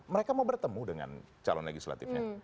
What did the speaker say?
mereka mau bertemu dengan calon legislatifnya